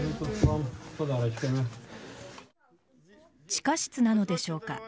地下室なのでしょうか。